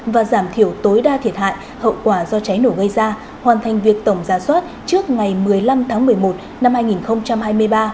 và giảm thiểu tối đa thiệt hại hậu quả do cháy nổ gây ra hoàn thành việc tổng gia soát trước ngày một mươi năm tháng một mươi một năm hai nghìn hai mươi ba